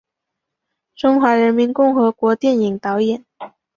中华人民共和国电影导演。